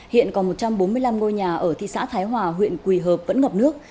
hiện còn một trăm bốn mươi năm ngôi nhà ở thị xã thái hòa huyện quỳ hợp vẫn ngập nước